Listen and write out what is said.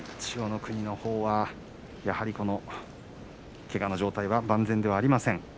千代の国のほうは、やはりけがの状態万全ではありません。